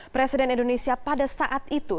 presiden indonesia pada saat itu